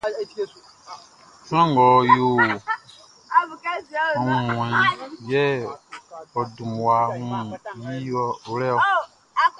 Sran ngʼɔ yo aunmuanʼn, yɛ ɔ dun mmua wun i wlɛ-ɔ.